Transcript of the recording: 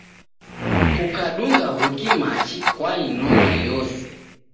Kukadunga w'uki machi kwainona yose.